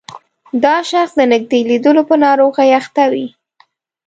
دا شخص د نږدې لیدلو په ناروغۍ اخته وي.